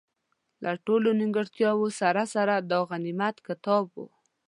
له ټولو نیمګړتیاوو سره سره، دا غنیمت کتاب وو.